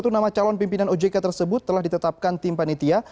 satu nama calon pimpinan ojk tersebut telah ditetapkan tim panitia